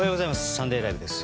「サンデーＬＩＶＥ！！」です。